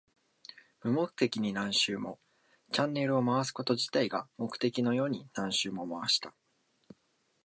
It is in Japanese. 無目的に何周も。チャンネルを回すこと自体が目的のように何周も回した。